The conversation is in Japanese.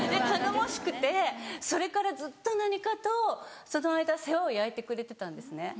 頼もしくてそれからずっと何かとその間世話を焼いてくれてたんですね。